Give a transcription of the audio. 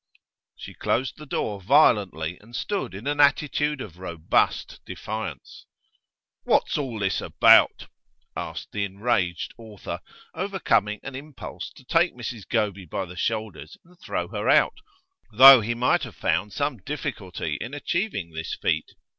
She closed the door violently, and stood in an attitude of robust defiance. 'What's all this about?' asked the enraged author, overcoming an impulse to take Mrs Goby by the shoulders and throw her out though he might have found some difficulty in achieving this feat.